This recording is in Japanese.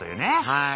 はい。